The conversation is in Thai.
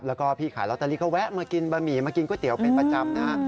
แล้วก็พี่ขายลอตเตอรี่ก็แวะมากินบะหมี่มากินก๋วยเตี๋ยวเป็นประจำนะฮะ